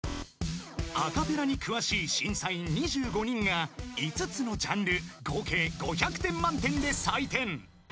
［アカペラに詳しい審査員２５人が５つのジャンル合計５００点満点で採点］